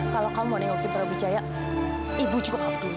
kalau kamu mau dengokin prabu jaya ibu juga nggak peduli